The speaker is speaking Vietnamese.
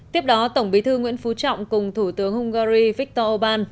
tổng bí thư nguyễn phú trọng cùng thủ tướng hungary viktor orbán